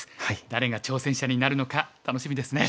誰が挑戦者になるのか楽しみですね。